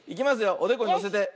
おでこにのせて。